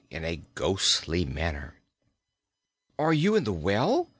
in a ghostly manner. "Are you in the well?"